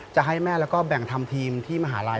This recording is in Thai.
จะให้แม่แล้วก็แบ่งทำทีมที่มหาลัย